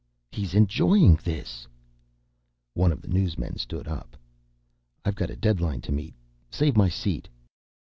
"He's enjoying this." One of the newsmen stood up. "I've got a deadline to meet. Save my seat."